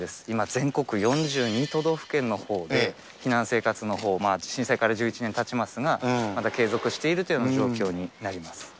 今、全国４２都道府県のほうで、避難生活のほう、震災から１１年たちますが、まだ継続しているというような状況になります。